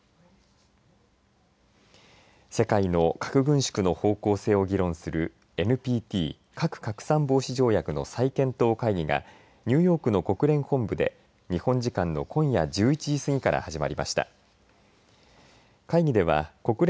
世界の核軍縮の方向性を議論するＮＰＴ、核拡散防止条約の再検討会議がニューヨークの国連本部で日本時間の今夜１１時過ぎから始まりました。